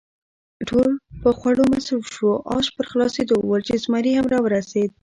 ټول په خوړو مصروف شوو، آش پر خلاصېدو ول چې زمري هم را ورسېد.